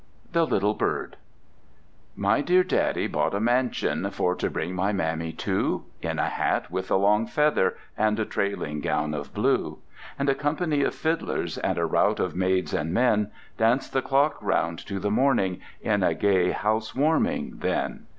THE LITTLE BIRD My dear Daddie bought a mansion For to bring my Mammie to, In a hat with a long feather, And a trailing gown of blue; And a company of fiddlers And a rout of maids and men Danced the clock round to the morning, In a gay house warming then.